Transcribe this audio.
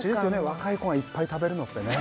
若い子がいっぱい食べるのってね